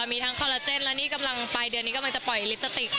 มีทั้งคอลลาเจนและนี่กำลังปลายเดือนนี้กำลังจะปล่อยลิปสติก